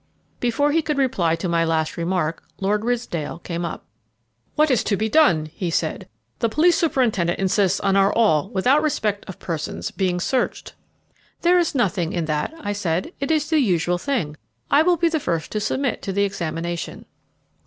Before he could reply to my last remark Lord Ridsdale came up. "What is to be done?" he said; "the police superintendent insists on our all, without respect of persons, being searched." "There is nothing in that," I said; "it is the usual thing. I will be the first to submit to the examination."